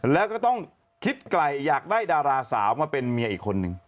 แล้วก็ต้องคิดไกลอยากได้ดาราสาวมาเป็นเมียอีกคนนึง